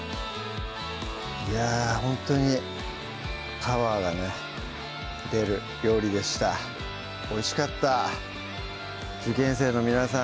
いやほんとにパワーがね出る料理でしたおいしかった受験生の皆さん